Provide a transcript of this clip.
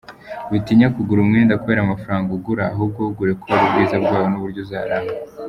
Witinya kugura umwenda kubera amafaranga ugura, ahubwo wugure kubera ubwiza bwawo n’uburyo uzaramba.